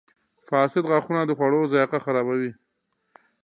• فاسد غاښونه د خوړو ذایقه خرابوي.